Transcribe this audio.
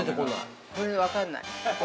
◆これ分からない。